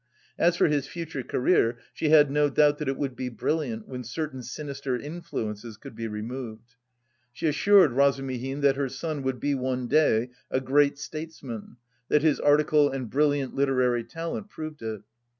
As for his future career, she had no doubt that it would be brilliant when certain sinister influences could be removed. She assured Razumihin that her son would be one day a great statesman, that his article and brilliant literary talent proved it.